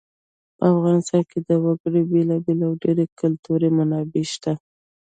په افغانستان کې د وګړي بېلابېلې او ډېرې ګټورې منابع شته.